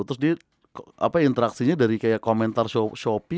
terus dia interaksinya dari kayak komentar shopee